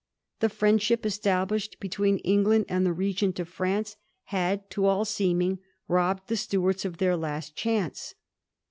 The friendship established between Eng land and the Regent of France had to all seeming robbed the Stuarts of their last chance.